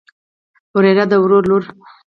وريره د ورور لور.